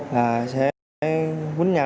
rồi sẽ tiếp bọn em như thế nào